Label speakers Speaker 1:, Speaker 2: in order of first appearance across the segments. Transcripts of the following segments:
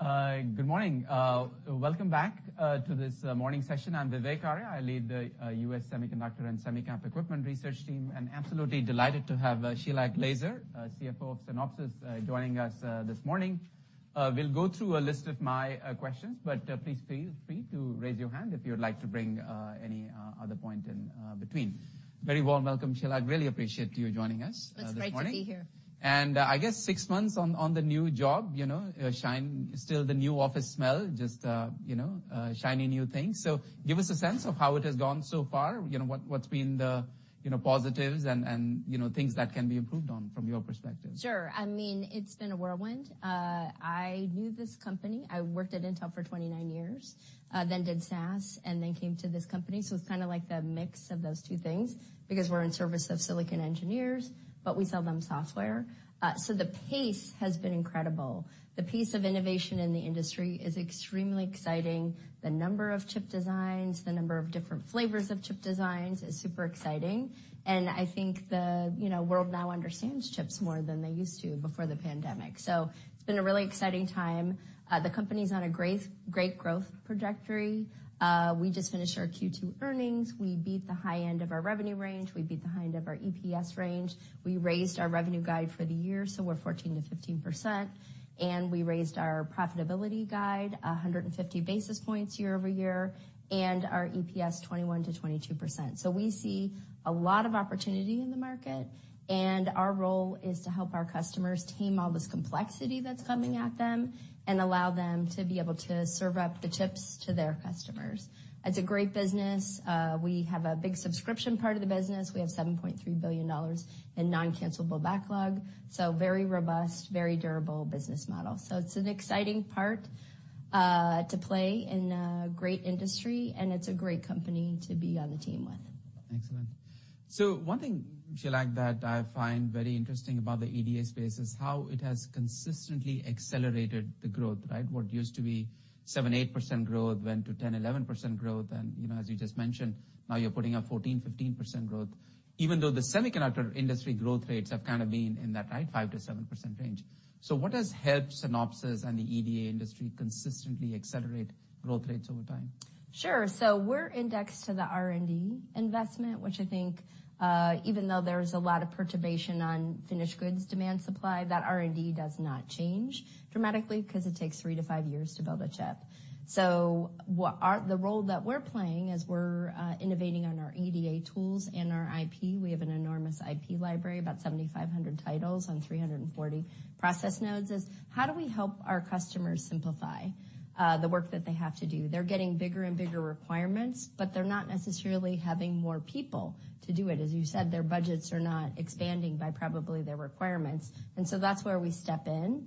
Speaker 1: Good morning. Welcome back to this morning session. I'm Vivek Arya. I lead the U.S. Semiconductor and Semiconductor Equipment research team, and absolutely delighted to have Shelagh Glaser, CFO of Synopsys, joining us this morning. We'll go through a list of my questions, but, please feel free to raise your hand if you'd like to bring any other point in between. Very warm welcome, Shelagh. I really appreciate you joining us this morning.
Speaker 2: It's great to be here.
Speaker 1: I guess six months on the new job, you know, still the new office smell, just, you know, shiny, new things. Give us a sense of how it has gone so far. You know, what's been the, you know, positives and, you know, things that can be improved on from your perspective?
Speaker 2: Sure. I mean, it's been a whirlwind. I knew this company. I worked at Intel for 29 years, then did SaaS, came to this company, so it's kind of like the mix of those two things because we're in service of silicon engineers, but we sell them software. The pace has been incredible. The pace of innovation in the industry is extremely exciting. The number of chip designs, the number of different flavors of chip designs is super exciting. I think the, you know, world now understands chips more than they used to before the pandemic. It's been a really exciting time. The company's on a great growth trajectory. We just finished our Q2 earnings. We beat the high end of our revenue range. We beat the high end of our EPS range. We raised our revenue guide for the year, we're 14%-15%, and we raised our profitability guide 150 basis points year-over-year, and our EPS, 21%-22%. We see a lot of opportunity in the market, and our role is to help our customers tame all this complexity that's coming at them and allow them to be able to serve up the chips to their customers. It's a great business. We have a big subscription part of the business. We have $7.3 billion in non-cancellable backlog, so very robust, very durable business model. It's an exciting part to play in a great industry, and it's a great company to be on the team with.
Speaker 1: Excellent. One thing, Shelagh, that I find very interesting about the EDA space is how it has consistently accelerated the growth, right? What used to be 7%-8% growth, went to 10%-11% growth, and, you know, as you just mentioned, now you're putting up 14%-15% growth, even though the semiconductor industry growth rates have kind of been in that, right, 5%-7% range. What has helped Synopsys and the EDA industry consistently accelerate growth rates over time?
Speaker 2: Sure. We're indexed to the R&D investment, which I think, even though there's a lot of perturbation on finished goods demand supply, that R&D does not change dramatically, 'cause it takes three to five years to build a chip. The role that we're playing as we're innovating on our EDA tools and our IP, we have an enormous IP library, about 7,500 titles on 340 process nodes, is how do we help our customers simplify the work that they have to do? They're getting bigger and bigger requirements, but they're not necessarily having more people to do it. As you said, their budgets are not expanding by probably their requirements, that's where we step in.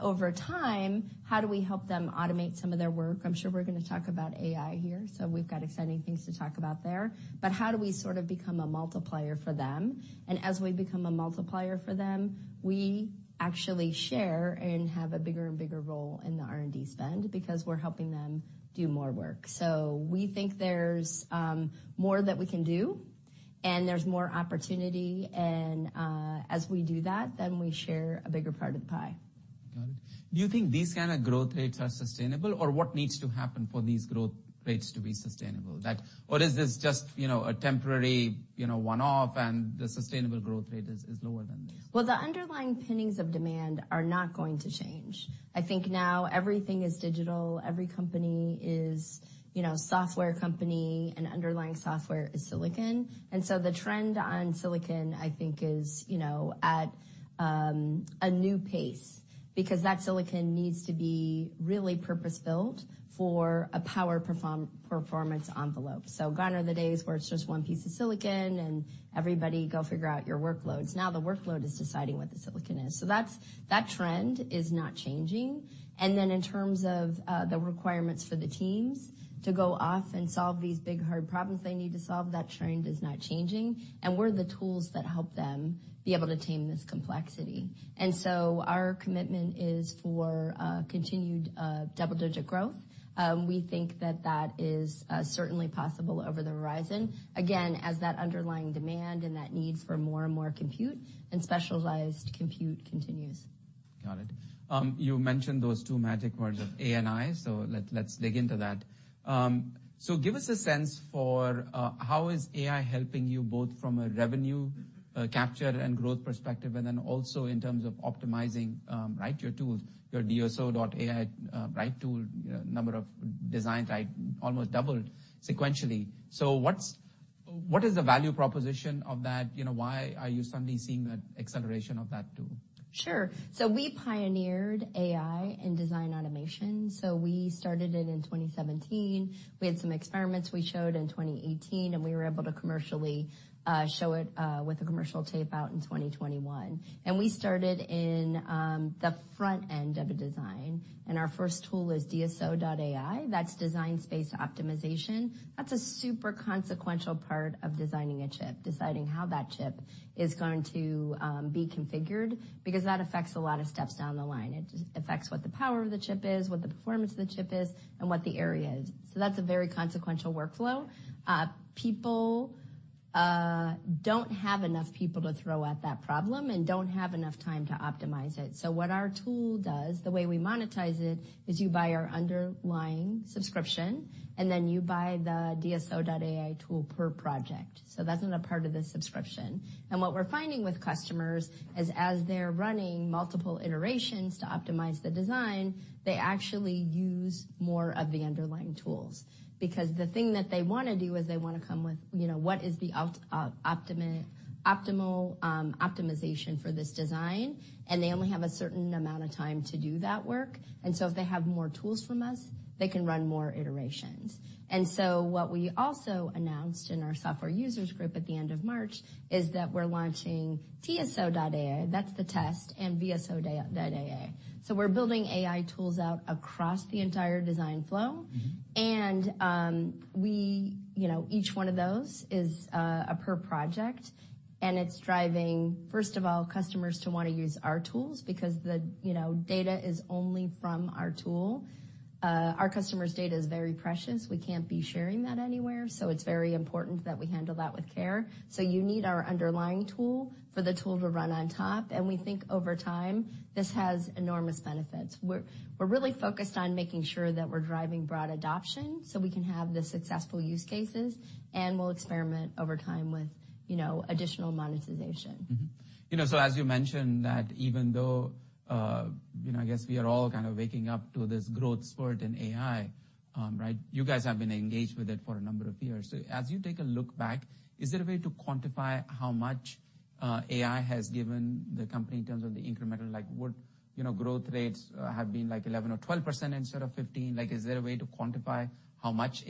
Speaker 2: Over time, how do we help them automate some of their work? I'm sure we're gonna talk about AI here, so we've got exciting things to talk about there. How do we sort of become a multiplier for them? As we become a multiplier for them, we actually share and have a bigger and bigger role in the R&D spend, because we're helping them do more work. We think there's more that we can do, and there's more opportunity and as we do that, then we share a bigger part of the pie.
Speaker 1: Got it. Do you think these kind of growth rates are sustainable, or what needs to happen for these growth rates to be sustainable? That, or is this just, you know, a temporary, you know, one-off, and the sustainable growth rate is lower than this?
Speaker 2: Well, the underlying pinnings of demand are not going to change. I think now everything is digital. Every company is, you know, software company, underlying software is silicon. The trend on silicon, I think is, you know, at a new pace because that silicon needs to be really purpose-built for a power performance envelope. Gone are the days where it's just one piece of silicon and everybody go figure out your workloads. Now, the workload is deciding what the silicon is. That trend is not changing. In terms of the requirements for the teams to go off and solve these big, hard problems they need to solve, that trend is not changing, and we're the tools that help them be able to tame this complexity. Our commitment is for continued double-digit growth. We think that that is certainly possible over the horizon, again, as that underlying demand and that needs for more and more compute and specialized compute continues.
Speaker 1: Got it. You mentioned those two magic words of AI, let's dig into that. Give us a sense for how is AI helping you both from a revenue capture and growth perspective, and then also in terms of optimizing, right, your tools, your DSO.ai, right tool, number of design type, almost doubled sequentially. What's, what is the value proposition of that? You know, why are you suddenly seeing that acceleration of that tool?
Speaker 2: Sure. We pioneered AI in design automation, so we started it in 2017. We had some experiments we showed in 2018, and we were able to commercially show it with a commercial tape out in 2021. We started in the front end of a design, and our first tool was DSO.ai. That's Design Space Optimization. That's a super consequential part of designing a chip, deciding how that chip is going to be configured, because that affects a lot of steps down the line. It affects what the power of the chip is, what the performance of the chip is, and what the area is. That's a very consequential workflow. People don't have enough people to throw at that problem, and don't have enough time to optimize it. What our tool does, the way we monetize it, is you buy our underlying subscription, and then you buy the DSO.ai tool per project. That's not a part of the subscription. What we're finding with customers is, as they're running multiple iterations to optimize the design, they actually use more of the underlying tools. The thing that they wanna do is they wanna come with, you know, what is the optimal optimization for this design, and they only have a certain amount of time to do that work. If they have more tools from us, they can run more iterations. What we also announced in our software users group at the end of March, is that we're launching TSO.ai, that's the test, and VSO.ai. We're building AI tools out across the entire design flow.
Speaker 1: Mm-hmm.
Speaker 2: We, you know, each one of those is a per project, and it's driving, first of all, customers to wanna use our tools, because the, you know, data is only from our tool. Our customer's data is very precious, we can't be sharing that anywhere, so it's very important that we handle that with care. You need our underlying tool for the tool to run on top, and we think over time, this has enormous benefits. We're really focused on making sure that we're driving broad adoption, so we can have the successful use cases, and we'll experiment over time with, you know, additional monetization.
Speaker 1: You know, as you mentioned, that even though, you know, I guess we are all kind of waking up to this growth spurt in AI, right? You guys have been engaged with it for a number of years. As you take a look back, is there a way to quantify how much AI has given the company in terms of the incremental? Like, would, you know, growth rates have been like 11% or 12% instead of 15%? Like, is there a way to quantify how much AI has helped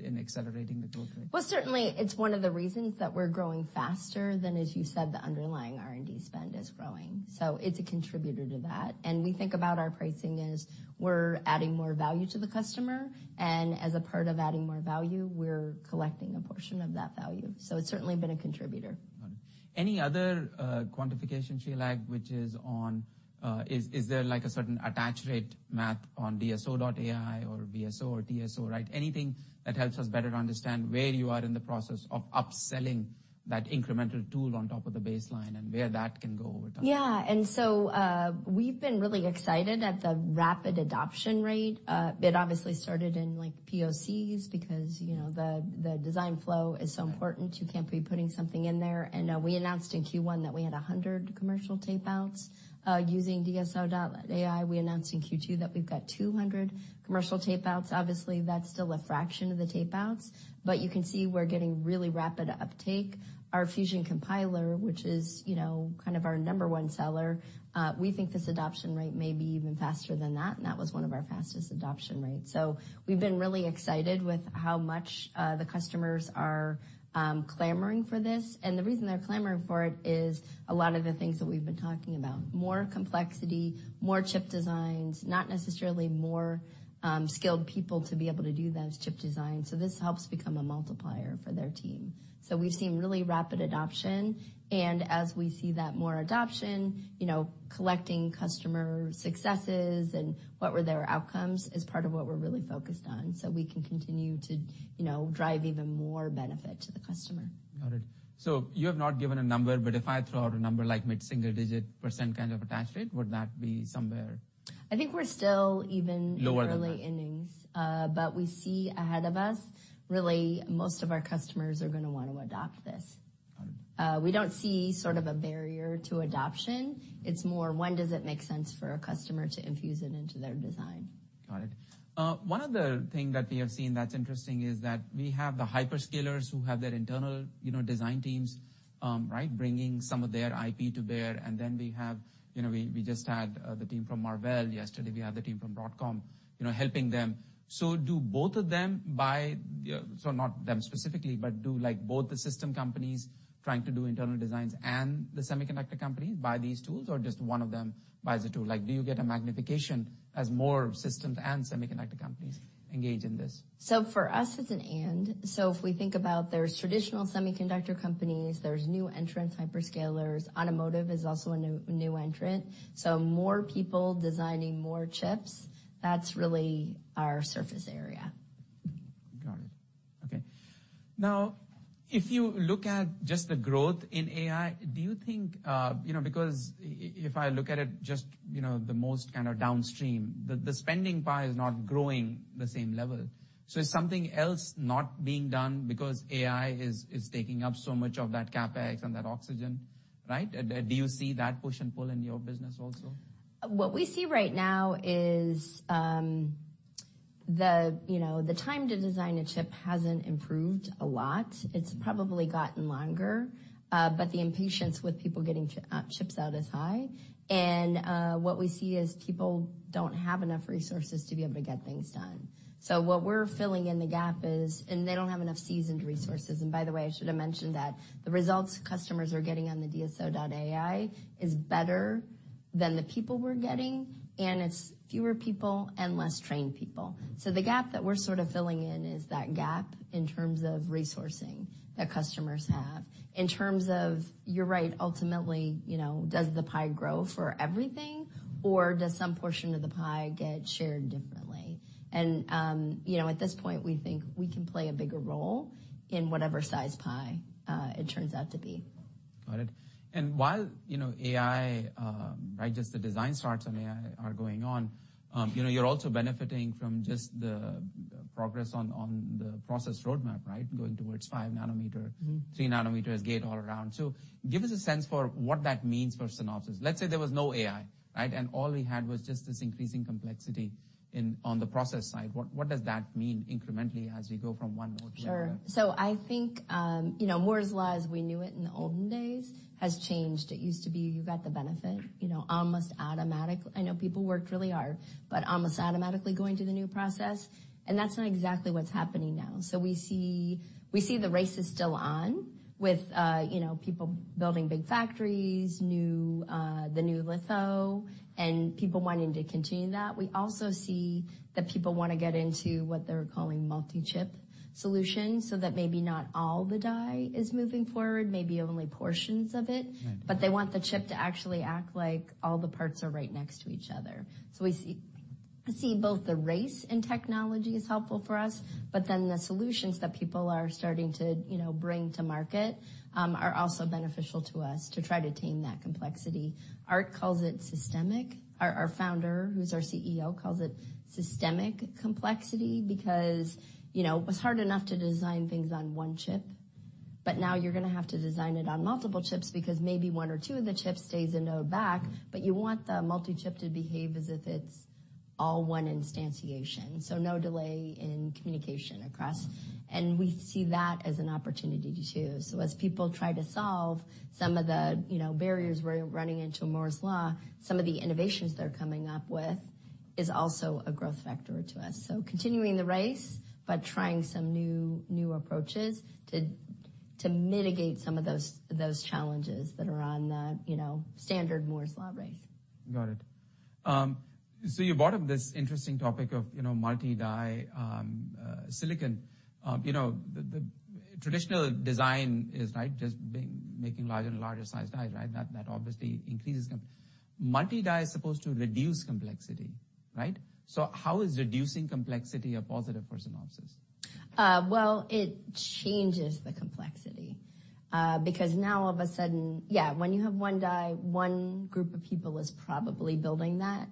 Speaker 1: in accelerating the growth rate?
Speaker 2: Certainly, it's one of the reasons that we're growing faster than, as you said, the underlying R&D spend is growing, so it's a contributor to that. We think about our pricing as we're adding more value to the customer, and as a part of adding more value, we're collecting a portion of that value. It's certainly been a contributor.
Speaker 1: Got it. Any other, quantification, Shelagh, which is on. Is there like a certain attach rate math on DSO.ai or VSO.ai or TSO.ai, right? Anything that helps us better understand where you are in the process of upselling that incremental tool on top of the baseline, and where that can go over time?
Speaker 2: Yeah. We've been really excited at the rapid adoption rate. It obviously started in, like, POCs, because, you know, the design flow is so important, you can't be putting something in there. We announced in Q1 that we had 100 commercial tapeouts. Using DSO.ai, we announced in Q2 that we've got 200 commercial tapeouts. Obviously, that's still a fraction of the tapeouts, but you can see we're getting really rapid uptake. Our Fusion Compiler, which is, you know, kind of our number one seller, we think this adoption rate may be even faster than that, and that was one of our fastest adoption rates. We've been really excited with how much, the customers are, clamoring for this. The reason they're clamoring for it is a lot of the things that we've been talking about: more complexity, more chip designs, not necessarily more, skilled people to be able to do those chip designs. This helps become a multiplier for their team. We've seen really rapid adoption, and as we see that more adoption, you know, collecting customer successes and what were their outcomes, is part of what we're really focused on, so we can continue to, you know, drive even more benefit to the customer.
Speaker 1: Got it. You have not given a number, but if I throw out a number like mid-single digit percent kind of attach rate, would that be somewhere?
Speaker 2: I think we're still.
Speaker 1: Lower than that.
Speaker 2: In early innings. We see ahead of us, really, most of our customers are gonna want to adopt this.
Speaker 1: Got it.
Speaker 2: We don't see sort of a barrier to adoption. It's more, when does it make sense for a customer to infuse it into their design?
Speaker 1: Got it. One other thing that we have seen that's interesting, is that we have the hyperscalers who have their internal, you know, design teams, right, bringing some of their IP to bear. We have, you know, we just had the team from Marvell yesterday, we had the team from Broadcom, you know, helping them. Do both of them, not them specifically, but do, like, both the system companies trying to do internal designs and the semiconductor companies, buy these tools, or just one of them buys the tool? Like, do you get a magnification as more systems and semiconductor companies engage in this?
Speaker 2: For us, it's an and. If we think about there's traditional semiconductor companies, there's new entrants, hyperscalers, automotive is also a new entrant. More people designing more chips, that's really our surface area.
Speaker 1: Got it. Okay. If you look at just the growth in AI, do you think, you know, because if I look at it just, you know, the most kind of downstream, the spending pie is not growing the same level. Is something else not being done because AI is taking up so much of that CapEx and that oxygen, right? Do you see that push and pull in your business also?
Speaker 2: What we see right now is, you know, the time to design a chip hasn't improved a lot. It's probably gotten longer, but the impatience with people getting chips out is high. What we see is people don't have enough resources to be able to get things done. What we're filling in the gap is. They don't have enough seasoned resources. By the way, I should have mentioned that the results customers are getting on the DSO.ai is better than the people we're getting, and it's fewer people and less trained people. The gap that we're sort of filling in is that gap in terms of resourcing that. In terms of, you're right, ultimately, you know, does the pie grow for everything, or does some portion of the pie get shared differently? You know, at this point, we think we can play a bigger role in whatever size pie it turns out to be.
Speaker 1: Got it. While, you know, AI, right, just the design starts on AI are going on, you know, you're also benefiting from just the progress on the process roadmap, right? Going towards 5 nanometer-
Speaker 2: Mm-hmm.
Speaker 1: 3 nanometer as gate-all-around. Give us a sense for what that means for Synopsys. Let's say there was no AI, right? All we had was just this increasing complexity on the process side. What does that mean incrementally as we go from 1 node to another?
Speaker 2: Sure. I think, you know, Moore's Law, as we knew it in the olden days, has changed. It used to be you got the benefit, you know, almost automatically. I know people worked really hard, but almost automatically going to the new process, and that's not exactly what's happening now. We see the race is still on with, you know, people building big factories, new, the new litho, and people wanting to continue that. We also see that people wanna get into what they're calling multi-chip solutions, so that maybe not all the die is moving forward, maybe only portions of it.
Speaker 1: Right.
Speaker 2: They want the chip to actually act like all the parts are right next to each other. We see both the race in technology as helpful for us, but then the solutions that people are starting to, you know, bring to market are also beneficial to us to try to tame that complexity. Aart calls it systemic. Our founder, who's our CEO, calls it systemic complexity because, you know, it was hard enough to design things on one chip, but now you're gonna have to design it on multiple chips, because maybe one or two of the chips stays in node back, but you want the multi-chip to behave as if it's all one instantiation, so no delay in communication across. We see that as an opportunity, too. As people try to solve some of the, you know, barriers we're running into Moore's Law, some of the innovations they're coming up with is also a growth factor to us. Continuing the race, but trying some new approaches to mitigate some of those challenges that are on the, you know, standard Moore's Law race.
Speaker 1: Got it. You brought up this interesting topic of, you know, multi-die silicon. You know, the traditional design is, right, just being, making larger and larger sized dies, right? That obviously increases Multi-die is supposed to reduce complexity, right? How is reducing complexity a positive for Synopsys?
Speaker 2: Well, it changes the complexity, because now all of a sudden, when you have one die, one group of people is probably building that,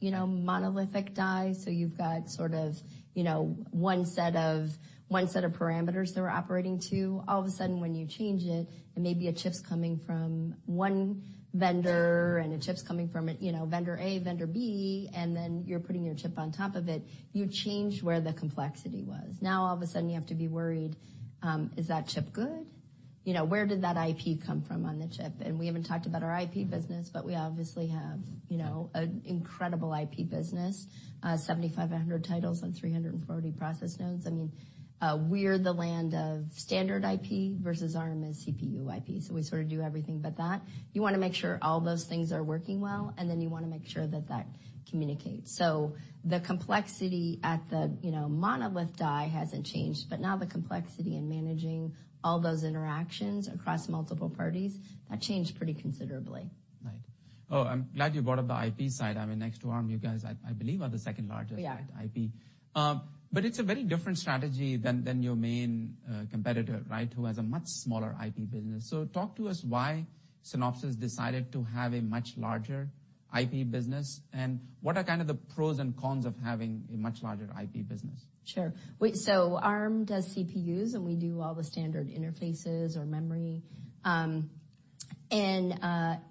Speaker 2: you know, monolithic die. You've got sort of, you know, one set of parameters they're operating to. All of a sudden, when you change it, and maybe a chip's coming from one vendor, and a chip's coming from, you know, vendor A, vendor B, and then you're putting your chip on top of it, you changed where the complexity was. All of a sudden, you have to be worried, is that chip good? You know, where did that IP come from on the chip? We haven't talked about our IP business, but we obviously have, you know, an incredible IP business. 7,500 titles on 340 process nodes. I mean, we're the land of standard IP versus Arm is CPU IP. We sort of do everything but that. You wanna make sure all those things are working well. Then you wanna make sure that that communicates. The complexity at the, you know, monolith die hasn't changed. Now the complexity in managing all those interactions across multiple parties, that changed pretty considerably.
Speaker 1: Right. Oh, I'm glad you brought up the IP side. I mean, next to Arm, you guys, I believe, are the second largest-
Speaker 2: Yeah
Speaker 1: IP. It's a very different strategy than your main competitor, right, who has a much smaller IP business. Talk to us why Synopsys decided to have a much larger IP business, and what are kind of the pros and cons of having a much larger IP business?
Speaker 2: Sure. Arm does CPUs. We do all the standard interfaces or memory.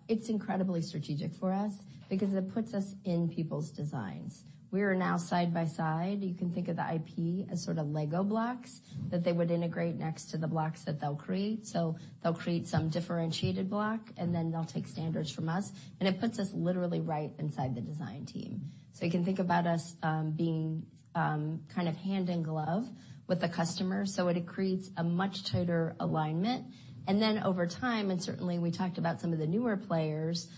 Speaker 2: It's incredibly strategic for us because it puts us in people's designs. We are now side by side. You can think of the IP as sort of Lego blocks that they would integrate next to the blocks that they'll create. They'll create some differentiated block, and then they'll take standards from us, and it puts us literally right inside the design team. You can think about us being kind of hand in glove with the customer, so it creates a much tighter alignment. Over time, and certainly we talked about some of the newer players,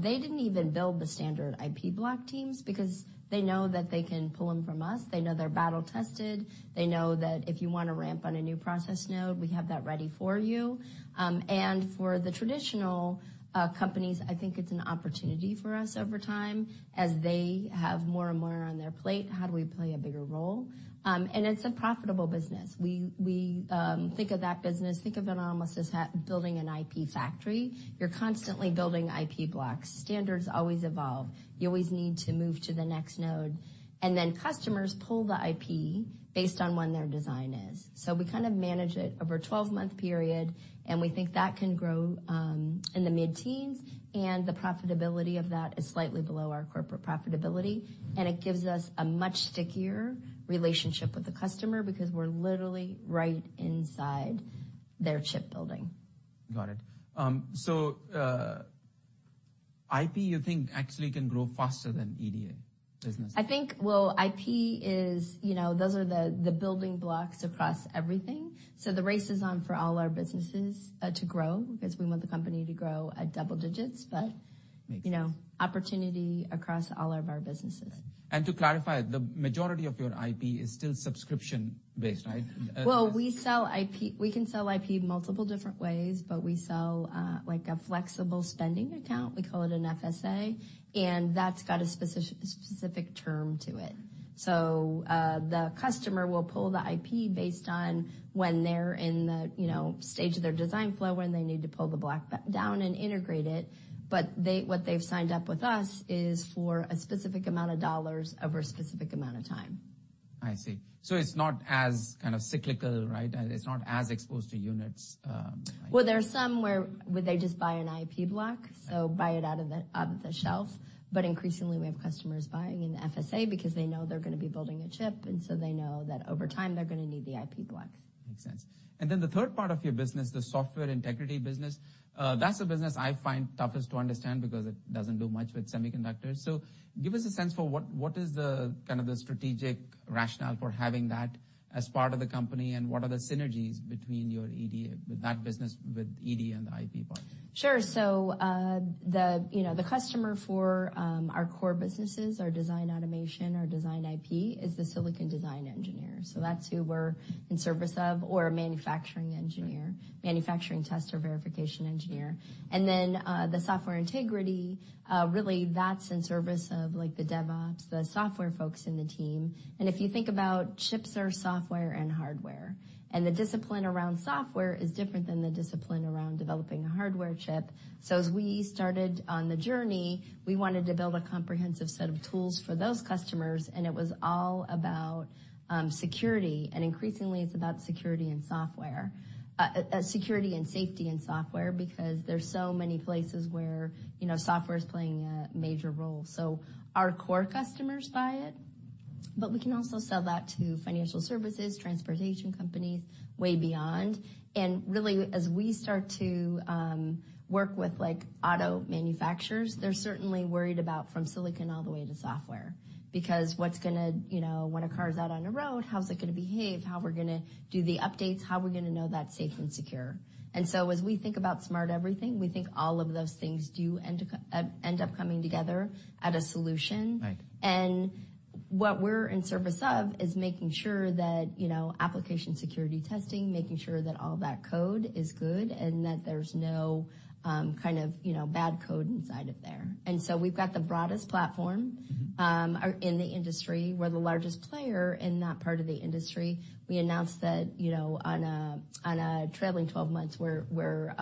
Speaker 2: they didn't even build the standard IP block teams because they know that they can pull them from us. They know they're battle-tested. They know that if you wanna ramp on a new process node, we have that ready for you. For the traditional companies, I think it's an opportunity for us over time. As they have more and more on their plate, how do we play a bigger role? It's a profitable business. We think of that business, think of it almost as building an IP factory. You're constantly building IP blocks. Standards always evolve. You always need to move to the next node, and then customers pull the IP based on when their design is. We kind of manage it over a 12 month period, and we think that can grow in the mid-teens, and the profitability of that is slightly below our corporate profitability. It gives us a much stickier relationship with the customer because we're literally right inside their chip building.
Speaker 1: Got it. IP, you think, actually can grow faster than EDA?
Speaker 2: I think, well, IP is, you know, those are the building blocks across everything. The race is on for all our businesses to grow, because we want the company to grow at double digits.
Speaker 1: Makes-
Speaker 2: you know, opportunity across all of our businesses.
Speaker 1: To clarify, the majority of your IP is still subscription-based, right?
Speaker 2: Well, we can sell IP multiple different ways, we sell, like, a Flexible Spending Account, we call it an FSA, that's got a specific term to it. The customer will pull the IP based on when they're in the, you know, stage of their design flow, when they need to pull the block down and integrate it, what they've signed up with us is for a specific amount of dollars over a specific amount of time.
Speaker 1: I see. It's not as kind of cyclical, right? It's not as exposed to units.
Speaker 2: There are some where they just buy an IP block, so buy it out of the shelf. Increasingly, we have customers buying in the FSA because they know they're gonna be building a chip, they know that over time, they're gonna need the IP block.
Speaker 1: Makes sense. Then the third part of your business, the Software Integrity business, that's the business I find toughest to understand, because it doesn't do much with semiconductors. Give us a sense for what is the, kind of the strategic rationale for having that as part of the company, and what are the synergies between your EDA, with that business with EDA and the IP part?
Speaker 2: Sure. The, you know, the customer for our core businesses, our design automation, our design IP, is the silicon design engineer. That's who we're in service of, or a manufacturing engineer, manufacturing test or verification engineer. The Software Integrity, really that's in service of, like, the DevOps, the software folks in the team. If you think about chips or software and hardware, the discipline around software is different than the discipline around developing a hardware chip. As we started on the journey, we wanted to build a comprehensive set of tools for those customers, and it was all about security, and increasingly, it's about security and software. Security and safety in software, because there's so many places where, you know, software is playing a major role. Our core customers buy it, but we can also sell that to financial services, transportation companies, way beyond. Really, as we start to work with, like, auto manufacturers, they're certainly worried about from silicon all the way to software, because what's gonna, you know, when a car is out on a road, how's it gonna behave? How we're gonna do the updates, how we're gonna know that's safe and secure? As we think about smart everything, we think all of those things do end up coming together at a solution.
Speaker 1: Right.
Speaker 2: What we're in service of is making sure that, you know, application security testing, making sure that all that code is good, and that there's no, kind of, you know, bad code inside of there. We've got the broadest platform in the industry. We're the largest player in that part of the industry. We announced that, you know, on a, on a trailing 12 months, we're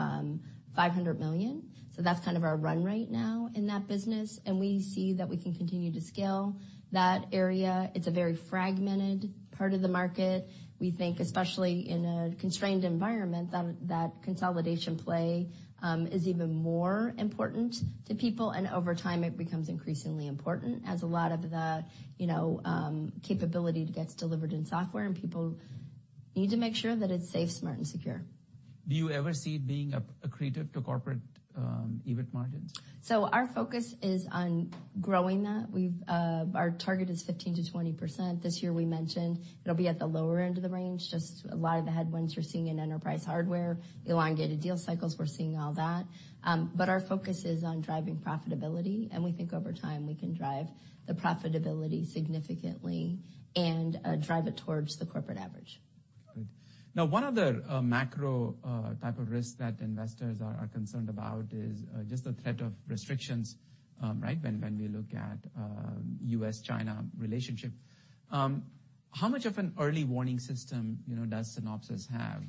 Speaker 2: $500 million, so that's kind of our run rate now in that business, and we see that we can continue to scale that area. It's a very fragmented part of the market. We think, especially in a constrained environment, that consolidation play is even more important to people, and over time, it becomes increasingly important as a lot of the, you know, capability gets delivered in software, and people need to make sure that it's safe, smart, and secure.
Speaker 1: Do you ever see it being accretive to corporate EBIT margins?
Speaker 2: Our focus is on growing that. We've, our target is 15%-20%. This year, we mentioned it'll be at the lower end of the range, just a lot of the headwinds you're seeing in enterprise hardware, the elongated deal cycles, we're seeing all that. Our focus is on driving profitability, and we think over time, we can drive the profitability significantly and drive it towards the corporate average.
Speaker 1: Good. One other macro type of risk that investors are concerned about is just the threat of restrictions, right? When we look at U.S.-China relationship. How much of an early warning system, you know, does Synopsys have?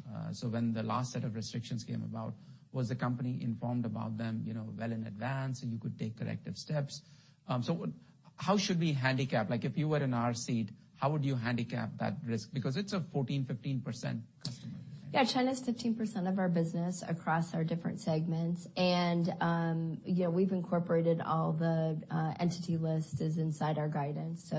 Speaker 1: When the last set of restrictions came about, was the company informed about them, you know, well in advance, and you could take corrective steps? How should we handicap, like, if you were in our seat, how would you handicap that risk? Because it's a 14%-15% customer.
Speaker 2: Yeah, China's 15% of our business across our different segments, and, yeah, we've incorporated all the entity lists inside our guidance.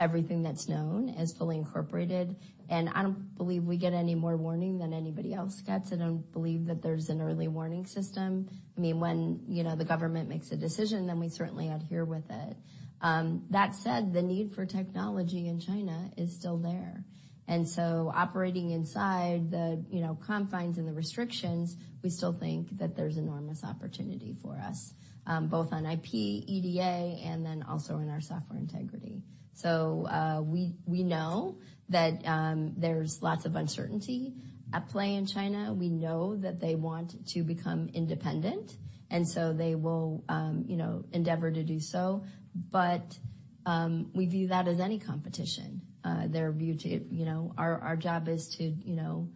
Speaker 2: Everything that's known is fully incorporated, and I don't believe we get any more warning than anybody else gets. I don't believe that there's an early warning system. I mean, when, you know, the government makes a decision, then we certainly adhere with it. That said, the need for technology in China is still there, operating inside the, you know, confines and the restrictions, we still think that there's enormous opportunity for us, both on IP, EDA, and then also in our Software Integrity. We know that there's lots of uncertainty at play in China. We know that they want to become independent, they will, you know, endeavor to do so. We view that as any competition. They're viewed, you know, our job is to, you know,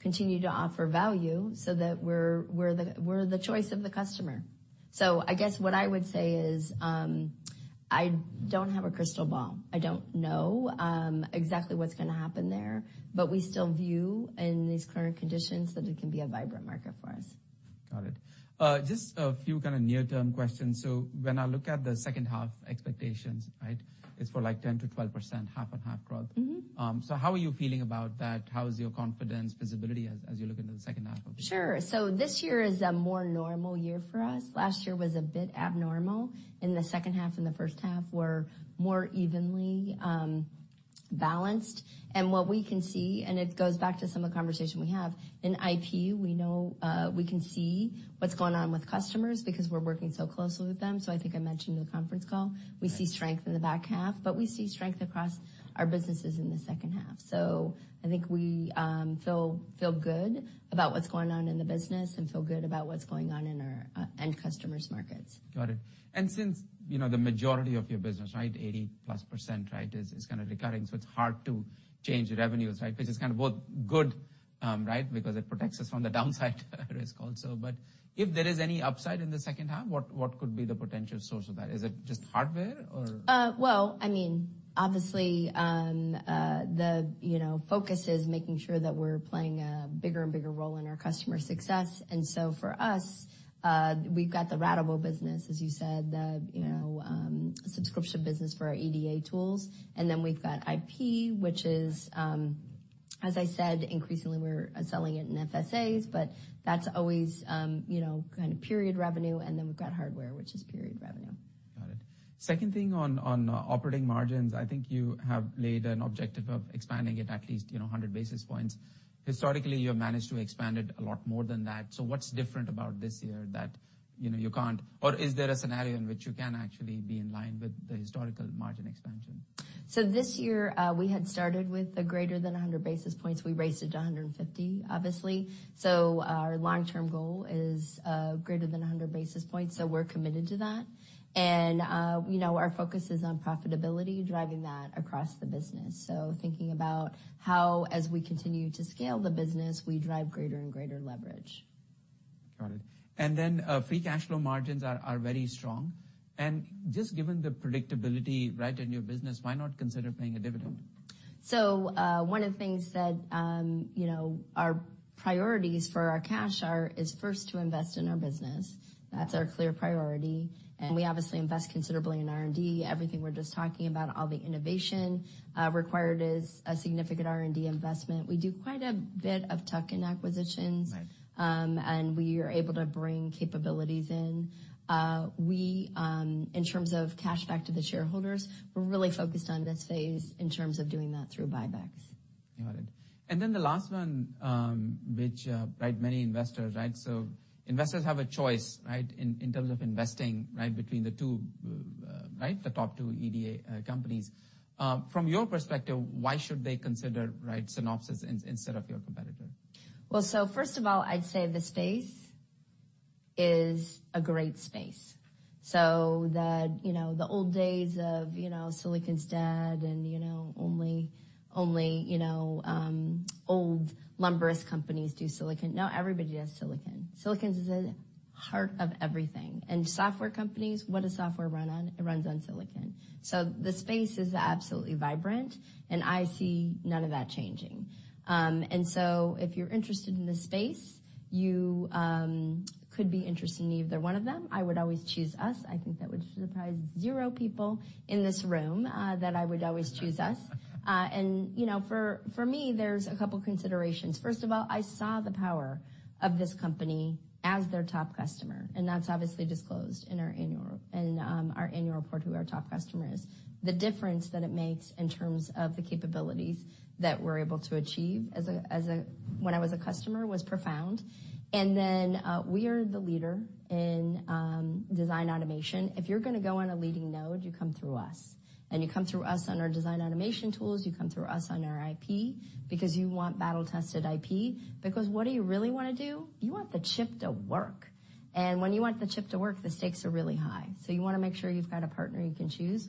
Speaker 2: continue to offer value so that we're the choice of the customer. I guess what I would say is, I don't have a crystal ball. I don't know exactly what's gonna happen there, but we still view in these current conditions that it can be a vibrant market for us.
Speaker 1: Got it. just a few kind of near-term questions. When I look at the second half expectations, right, it's for like 10%-12%, half-on-half growth.
Speaker 2: Mm-hmm.
Speaker 1: How are you feeling about that? How is your confidence, visibility as you look into the second half of the year?
Speaker 2: Sure. This year is a more normal year for us. Last year was a bit abnormal, and the second half and the first half were more evenly balanced. What we can see, and it goes back to some of the conversation we have, in IP, we know, we can see what's going on with customers because we're working so closely with them. I think I mentioned in the conference call. We see strength in the back half, but we see strength across our businesses in the second half. I think we feel good about what's going on in the business and feel good about what's going on in our end customers' markets.
Speaker 1: Got it. Since, you know, the majority of your business, right, 80%+, right, is kind of recurring, so it's hard to change the revenues, right? Which is kind of both good, right, because it protects us from the downside, risk also. If there is any upside in the second half, what could be the potential source of that? Is it just hardware or?
Speaker 2: Well, I mean, obviously, the, you know, focus is making sure that we're playing a bigger and bigger role in our customer success. For us, we've got the ratable business, as you said, the, you know, subscription business for our EDA tools. We've got IP, which is, as I said, increasingly we're selling it in FSAs, but that's always, you know, kind of period revenue. We've got hardware, which is period revenue.
Speaker 1: Got it. Second thing on operating margins, I think you have laid an objective of expanding it at least, you know, 100 basis points. Historically, you have managed to expand it a lot more than that. What's different about this year that, you know, you can't, or is there a scenario in which you can actually be in line with the historical margin expansion?
Speaker 2: This year, we had started with a greater than 100 basis points. We raised it to 150, obviously. Our long-term goal is greater than 100 basis points, so we're committed to that. You know, our focus is on profitability, driving that across the business. Thinking about how, as we continue to scale the business, we drive greater and greater leverage.
Speaker 1: Got it. Then, free cash flow margins are very strong. Just given the predictability, right, in your business, why not consider paying a dividend?
Speaker 2: One of the things that, you know, our priorities for our cash are, is first to invest in our business. That's our clear priority, and we obviously invest considerably in R&D. Everything we're just talking about, all the innovation, required is a significant R&D investment. We do quite a bit of tuck-in acquisitions.
Speaker 1: Right.
Speaker 2: We are able to bring capabilities in. We, in terms of cash back to the shareholders, we're really focused on this phase in terms of doing that through buybacks.
Speaker 1: Got it. The last one, which, right, many investors, right? Investors have a choice, right, in terms of investing, right, between the two, right, the top two EDA companies. From your perspective, why should they consider, right, Synopsys instead of your competitor?
Speaker 2: First of all, I'd say the space is a great space. The, you know, the old days of, you know, silicon's dead and, you know, only, you know, old lumbering companies do silicon. No, everybody does silicon. Silicon is the heart of everything. Software companies, what does software run on? It runs on silicon. The space is absolutely vibrant, and I see none of that changing. If you're interested in this space, you could be interested in either one of them. I would always choose us. I think that would surprise 0 people in this room that I would always choose us. You know, for me, there's a couple considerations. First of all, I saw the power of this company as their top customer. That's obviously disclosed in our annual report, who our top customer is. The difference that it makes in terms of the capabilities that we're able to achieve as a customer, was profound. We are the leader in design automation. If you're going to go on a leading node, you come through us. You come through us on our design automation tools, you come through us on our IP, because you want battle-tested IP. What do you really want to do? You want the chip to work. When you want the chip to work, the stakes are really high. You want to make sure you've got a partner you can choose.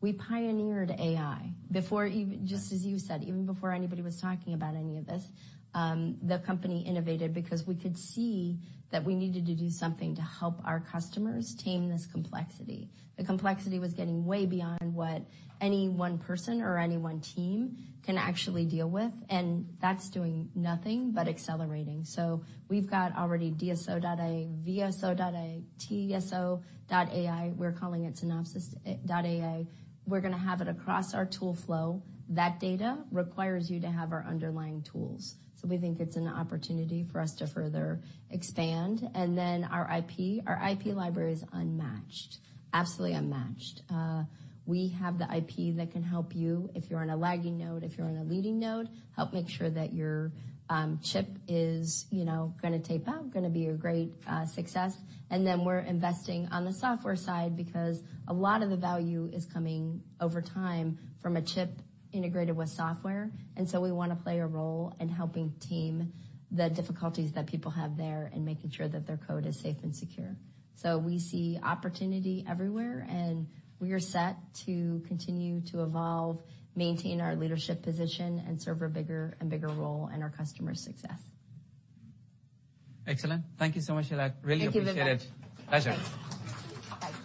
Speaker 2: We pioneered AI.
Speaker 1: Right.
Speaker 2: Just as you said, even before anybody was talking about any of this, the company innovated because we could see that we needed to do something to help our customers tame this complexity. The complexity was getting way beyond what any one person or any one team can actually deal with. That's doing nothing but accelerating. We've got already DSO.ai, VSO.ai, TSO.ai. We're calling it Synopsys.ai. We're gonna have it across our tool flow. That data requires you to have our underlying tools. We think it's an opportunity for us to further expand. Our IP, our IP library is unmatched, absolutely unmatched. We have the IP that can help you if you're on a lagging node, if you're on a leading node, help make sure that your chip is, you know, gonna tape out, gonna be a great success. Then we're investing on the software side, because a lot of the value is coming over time from a chip integrated with software. So we want to play a role in helping tame the difficulties that people have there and making sure that their code is safe and secure. We see opportunity everywhere, and we are set to continue to evolve, maintain our leadership position, and serve a bigger and bigger role in our customers' success.
Speaker 1: Excellent. Thank you so much, Shelagh. I really appreciate it.
Speaker 2: Thank you.
Speaker 1: Pleasure.
Speaker 2: Thanks. Bye.